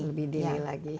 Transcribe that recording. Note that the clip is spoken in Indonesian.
lebih dini lagi